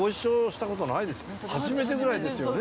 初めてぐらいですよね。